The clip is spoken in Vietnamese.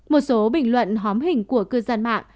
một số bình luận hóm hình của cư dân mạng